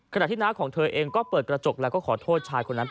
ขณะที่น้าของเธอเองก็เปิดกระจกแล้วก็ขอโทษชายคนนั้น